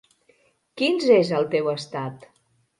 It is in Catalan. Quins és el teu estat?